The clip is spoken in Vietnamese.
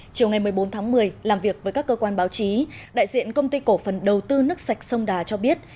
chiều ngày một mươi bốn tháng một mươi làm việc với các cơ quan báo chí đại diện công ty cổ phần đầu tư nước sạch sông đà cho biết